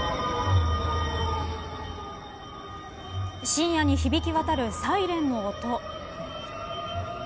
深夜に響き渡るサイレンの音。